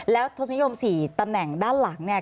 แล้วทศนิยม๔ตำแหน่งด้านหลังเนี่ย